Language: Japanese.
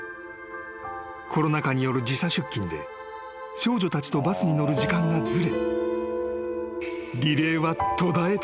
［コロナ禍による時差出勤で少女たちとバスに乗る時間がずれ］